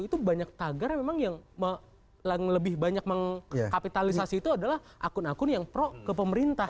itu banyak tagar memang yang lebih banyak mengkapitalisasi itu adalah akun akun yang pro ke pemerintah